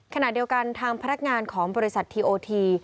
ขณะเดียวกันทางพนักงานของบริษัททีโอที